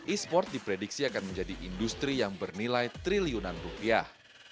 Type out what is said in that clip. e sport diprediksi akan menjadi industri yang bernilai triliunan rupiah